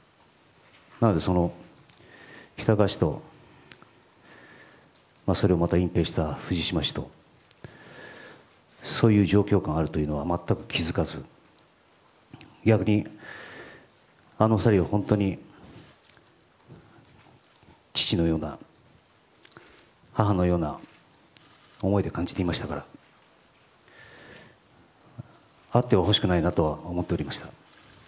なので、喜多川氏とそれを隠ぺいした藤島氏とそういう状況があるというのは全く気付かず逆に、あの２人を本当に父のような母のような思いで感じていましたからあってはほしくないなとは思っておりました。